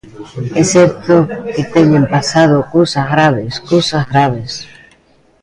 É certo que teñen pasado cousas graves, cousas graves.